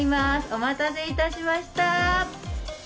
お待たせいたしました。